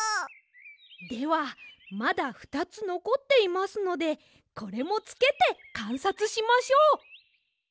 ではまだふたつのこっていますのでこれもつけてかんさつしましょう！